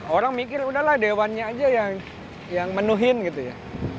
orang mikir udahlah dewannya aja yang menuhin gitu ya